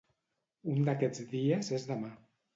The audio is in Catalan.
Un d'aquests dies és demà.